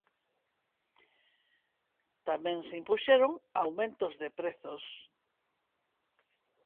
Tamén se impuxeron aumentos de prezos.